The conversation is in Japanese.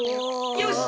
よし！